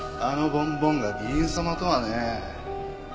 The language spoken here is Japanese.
あのボンボンが議員様とはねえ。